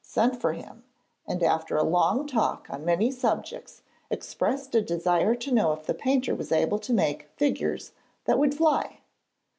sent for him and after a long talk on many subjects expressed a desire to know if the painter was able to make figures that would fly.